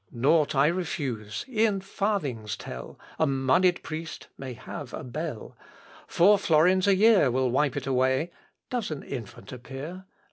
Nought I refuse, e'en farthings tell, A monied priest may have a belle. Four florins a year will wipe it away; Does an infant appear?